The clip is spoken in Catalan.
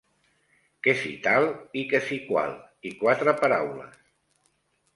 Que si tal i que si qual, i quatre paraules